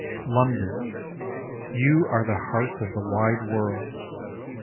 London ! you arc the heart of the wide world.